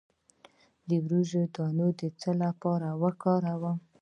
د وریجو دانه د څه لپاره وکاروم؟